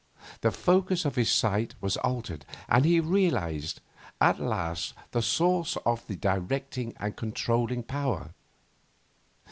The focus of his sight was altered, and he realised at last the source of the directing and the controlling power.